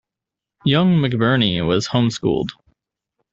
Young McBurney was home schooled.